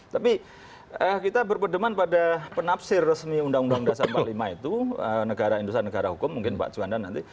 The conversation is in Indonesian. tapi kita berpedeman pada penafsir resmi undang undang dasar empat puluh lima itu negara indonesia negara hukum mungkin pak juanda nanti